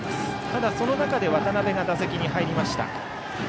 ただ、その中で渡部が打席に入りました。